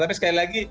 tapi sekali lagi